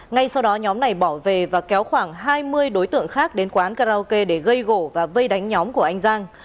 ngay sau đó nhóm này bỏ về và kéo khoảng hai mươi đối tượng khác đến quán karaoke để gây gỗ và vây đánh nhóm của anh giang